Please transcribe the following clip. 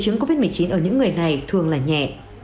trường hợp tái nhiễm covid một mươi chín ở những người này thường là nhẹ